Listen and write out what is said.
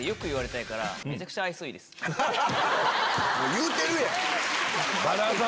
言うてるやん！